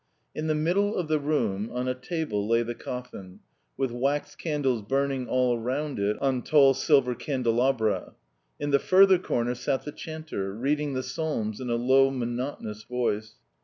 In the middle of the room, on a table, lay the coffin, with wax candles burning all round it on tall silver candelabra. In the further corner sat the chanter, reading the Psalms in a low, monotonous voice.